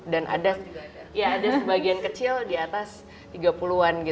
ada sebagian kecil di atas tiga puluh an